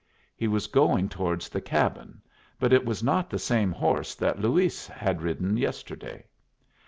He was going towards the cabin, but it was not the same horse that Luis had ridden yesterday.